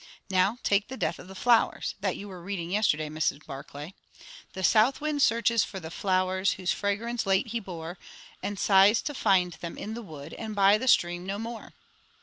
Now take the 'Death of the Flowers,' that you were reading yesterday, Mrs. Barclay 'The south wind searches for the flowers whose fragrance late he bore, And sighs to find them in the wood and by the stream no more.'